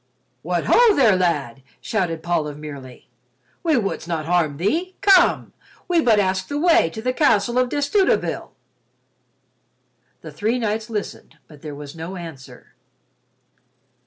"What ho, there, lad!" shouted Paul of Merely. "We would not harm thee—come, we but ask the way to the castle of De Stutevill." The three knights listened but there was no answer.